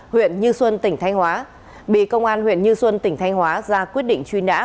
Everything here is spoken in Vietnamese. huyện như xuân tỉnh thanh hóa bị công an huyện như xuân tỉnh thanh hóa ra quyết định truy nã